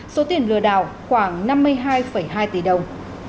số tiền lừa đảo khoảng năm mươi hai hai tỷ đồng